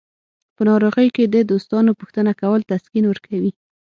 په ناروغۍ کې د دوستانو پوښتنه کول تسکین ورکوي.